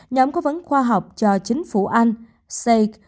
nhóm cố vấn khoa học cho chính phủ anh see